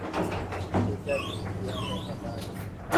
Kuja tuende shambani